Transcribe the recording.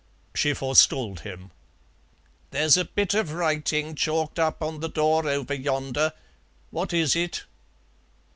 She forestalled him. "There's a bit of writing chalked up on the door over yonder. What is it?"